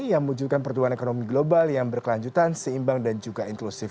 yang mewujudkan pertumbuhan ekonomi global yang berkelanjutan seimbang dan juga inklusif